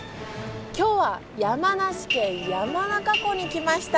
今日は山梨県山中湖に来ました。